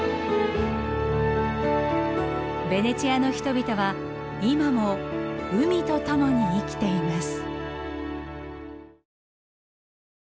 ベネチアの人々は今も海とともに生きています。